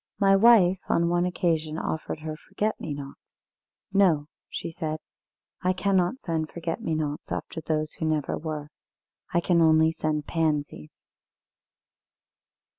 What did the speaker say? My wife on one occasion offered her forget me nots. 'No,' she said; 'I cannot send forget me nots after those who never were, I can send only Pansies.'"